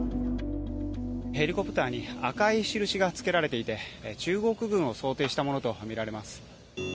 ヘリコプターに赤い印が付けられていて中国軍を想定したものとみられます。